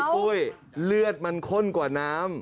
ปุ้ยเลือดมันข้นกว่าน้ำ